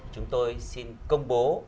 chúng tôi xin công bố